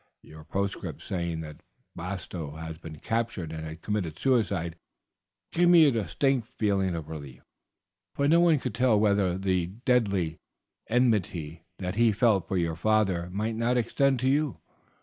Your postscript saying that Bastow had been captured and had committed suicide gave me a distinct feeling of relief, for no one could tell whether the deadly enmity that he felt for your father might not extend to you.